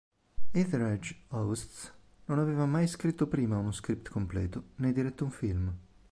Etheredge-Ouzts non aveva mai scritto prima uno script completo né diretto un film.